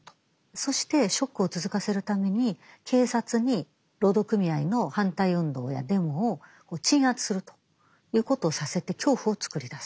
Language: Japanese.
そしてショックを続かせるために警察に労働組合の反対運動やデモを鎮圧するということをさせて恐怖を作り出す。